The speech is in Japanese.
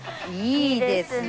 いいですね